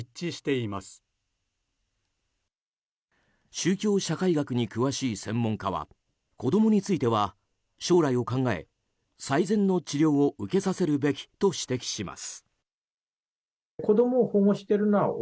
宗教社会学に詳しい専門家は子供については将来を考え、最善の治療を受けさせるべきと指摘します。